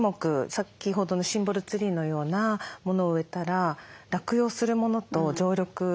先ほどのシンボルツリーのようなものを植えたら落葉するものと常緑